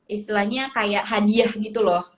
istilahnya kayak hadiah gitu loh